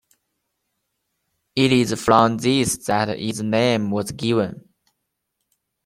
It is from this that its name was given.